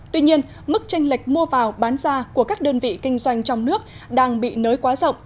tuy nhiên mức tranh lệch mua vào bán ra của các đơn vị kinh doanh trong nước đang bị nới quá rộng